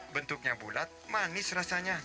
bentuknya bulat manis rasanya